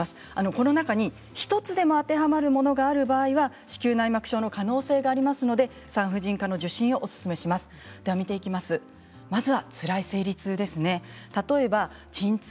この中に１つでも当てはまるものがある場合には子宮内膜症の可能性がありますので産婦人科の受診をおすすめします。